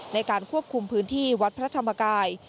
ในการควบคุมพื้นที่วัดพระธรรมกาย